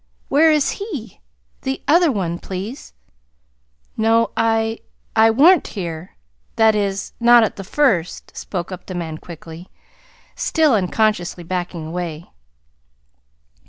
Where is he the other one, please?" "No, I I wa'n't here that is, not at the first," spoke up the man quickly, still unconsciously backing away.